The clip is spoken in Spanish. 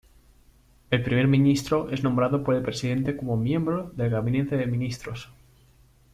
El primer ministro es nombrado por el presidente como miembro del gabinete de ministros.